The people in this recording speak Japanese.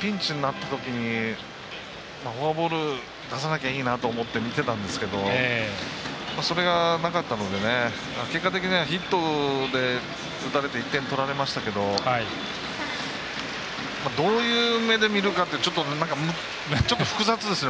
ピンチになったときにフォアボール出さなきゃいいなと思って見てたんですけどそれが、なかったので結果的にはヒットで打たれて１点取られましたけどどういう目で見るかってちょっと、複雑ですね。